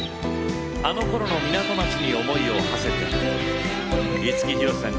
あのころの港町に思いをはせて五木ひろしさんが歌います。